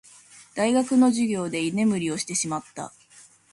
大学の授業で居眠りをしてしまった。